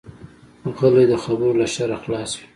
غلی، د خبرو له شره خلاص وي.